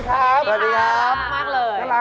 สวัสดีครับ